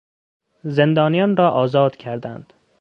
زندانیان را آزاد کردند.